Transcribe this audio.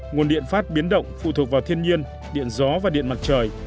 nguồn điện phát biến động phụ thuộc vào thiên nhiên điện gió và điện mặt trời